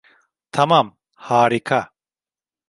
Tamam, harika.